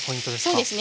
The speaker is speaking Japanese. そうですね。